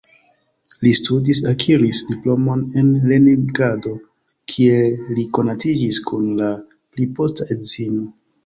Li studis, akiris diplomon en Leningrado, kie li konatiĝis kun la pli posta edzino.